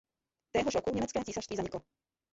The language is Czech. Téhož roku německé císařství zaniklo.